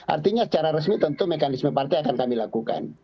artinya secara resmi tentu mekanisme partai akan kami lakukan